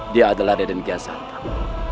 dia adalah reden kian santang